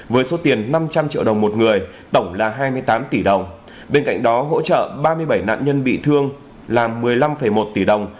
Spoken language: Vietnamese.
với số tiền năm trăm linh triệu đồng một người tổng là hai mươi tám tỷ đồng bên cạnh đó hỗ trợ ba mươi bảy nạn nhân bị thương là một mươi năm một tỷ đồng